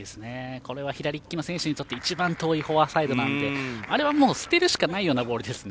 これは左利きの選手にとって一番、遠いフォアサイドなのであれはもう捨てるしかないようなボールですね。